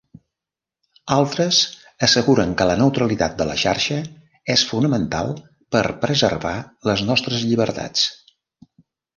Altres asseguren que la neutralitat de la xarxa és fonamental per preservar les nostres llibertats.